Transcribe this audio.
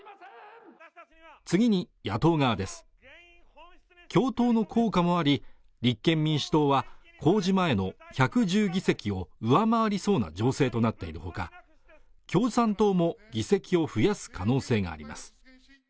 次に野党側です共闘の効果もあり立憲民主党は公示前の１１０議席を上回りそうな情勢となっているほか共産党も議席を増やす可能性があります